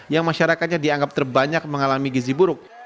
yang masyarakatnya dianggap terbanyak mengalami gizi buruk